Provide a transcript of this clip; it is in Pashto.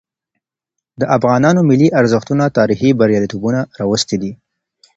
د افغانانو ملي ارزښتونه تاريخي برياليتوبونه راوستي دي.